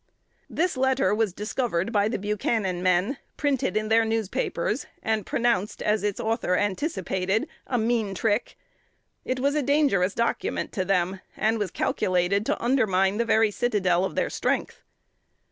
This letter was discovered by the Buchanan men, printed in their newspapers, and pronounced, as its author anticipated, "a mean trick." It was a dangerous document to them, and was calculated to undermine the very citadel of their strength.